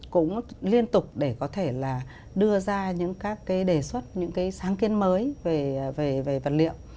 cũng liên tục để có thể là đưa ra những các cái đề xuất những cái sáng kiến mới về vật liệu